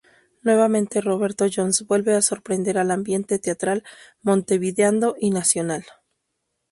Nuevamente Roberto Jones vuelve a sorprender al ambiente teatral montevideano y nacional.